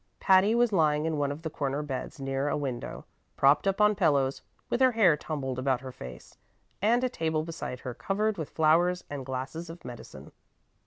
Patty was lying in one of the corner beds near a window, propped up on pillows, with her hair tumbled about her face, and a table beside her covered with flowers and glasses of medicine.